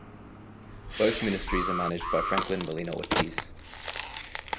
Both Ministries are managed by Franklin Molina Ortiz.